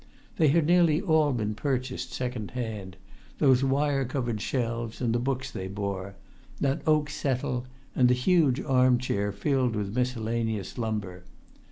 They had nearly all been purchased second hand, those wire covered shelves and the books they bore, that oak settle, and the huge arm chair filled with miscellaneous lumber.